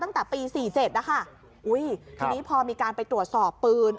ตั้งแต่ปีสี่เจ็ดนะคะอุ้ยทีนี้พอมีการไปตรวจสอบปืน